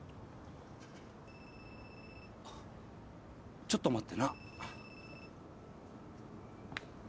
・・ちょっと待ってな。